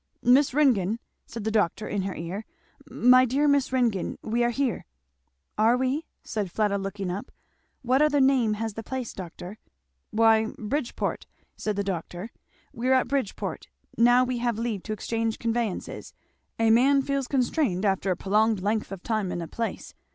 "Miss Ringgan!" said the doctor in her ear, "my dear Miss Ringgan! we are here! " "Are we?" said Fleda, looking up; "what other name has the place, doctor?" "Why Bridgeport," said the doctor, "we're at Bridgeport now we have leave to exchange conveyances. A man feels constrained after a prolonged length of time in a place.